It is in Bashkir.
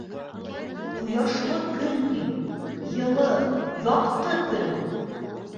Ҡояшлы көн һин, йылы, яҡты көн!